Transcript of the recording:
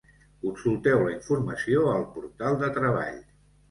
Consulteu la informació al portal de treball.